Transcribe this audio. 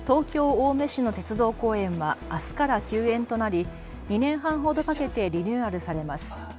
青梅市の鉄道公園はあすから休園となり２年半ほどかけてリニューアルされます。